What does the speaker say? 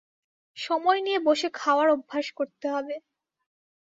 সময় নিয়ে বসে খাওয়ার অভ্যাস করতে হবে।